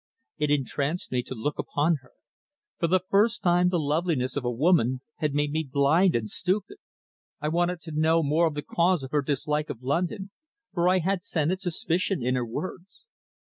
It entranced me to look upon her. For the first time the loveliness of a woman had made me blind and stupid. I wanted to know more of the cause of her dislike of London, for I had scented suspicion in her words.